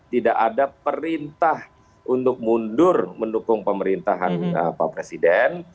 tidak ada perintah untuk mundur mendukung pemerintahan pak presiden